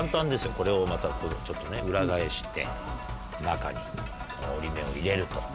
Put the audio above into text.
これをまたちょっとね裏返して中にこの折り目を入れると。